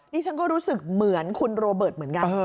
นี่ฉันก็รู้สึกเหมือนคุณโรเบิร์ตเหมือนกัน